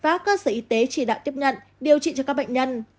và các cơ sở y tế chỉ đạo tiếp nhận điều trị cho các bệnh nhân